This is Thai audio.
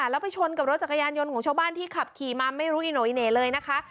แล้วไปชนกับรถจักรยานยนต์ของชาวบ้านที่ขับขี่มาไม่รู้อิโนอิเน่เลยนะคะ